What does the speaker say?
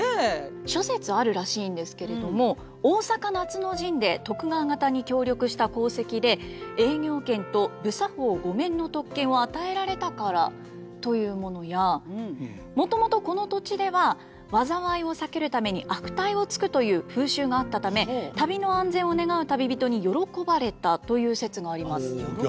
諸説あるらしいんですけれども大坂夏の陣で徳川方に協力した功績で営業権と不作法御免の特権を与えられたからというものやもともとこの土地では災いを避けるために悪態をつくという風習があったため旅の安全を願う旅人に喜ばれたという説があります。